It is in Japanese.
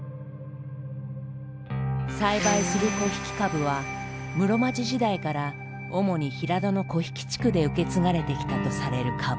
栽培する「木引かぶ」は室町時代から主に平戸の木引地区で受け継がれてきたとされるかぶ。